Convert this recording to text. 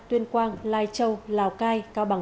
tuyên quang lai châu lào cai cao bằng